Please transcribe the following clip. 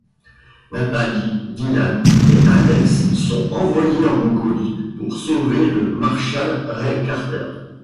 Nathalie, Dylan et Alex sont envoyées en Mongolie pour sauver le marshal Ray Carter.